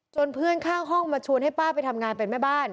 เพื่อนข้างห้องมาชวนให้ป้าไปทำงานเป็นแม่บ้าน